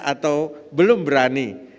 atau belum berani